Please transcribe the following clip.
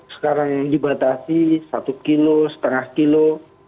sekarang yang dibatasi satu kilo setengah kilo